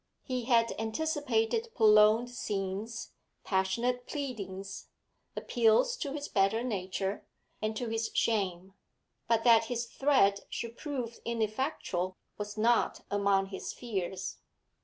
He had anticipated prolonged scenes, passionate pleadings, appeals to his better nature, and to his shame; but that his threat should prove ineffectual was not among his fears.